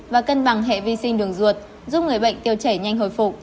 và cân bằng hệ vi sinh đường ruột giúp người bệnh tiêu chảy nhanh hồi phục